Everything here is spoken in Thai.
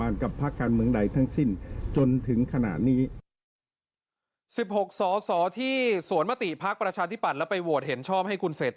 แล้วก็ผมเรียนเลยในฐานะรักษาการหัวหน้าภักษ์